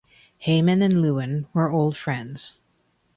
Heymann and Lewin were old friends.